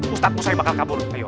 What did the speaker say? ustazah saya bakal kabur